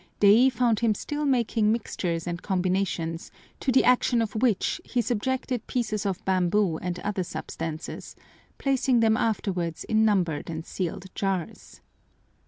Day found him still making mixtures and combinations, to the action of which he subjected pieces of bamboo and other substances, placing them afterwards in numbered and sealed jars.